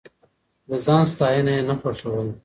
د ځان ستاينه يې نه خوښوله.